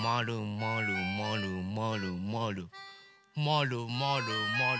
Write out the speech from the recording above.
まるまるまるまるまるまるまる。